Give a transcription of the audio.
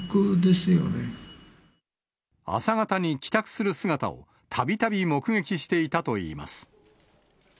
朝方に帰宅する姿を、たびたび目撃していたといいます。